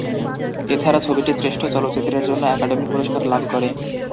এছাড়া ছবিটি শ্রেষ্ঠ চলচ্চিত্রের জন্য একাডেমি পুরস্কার লাভ করে।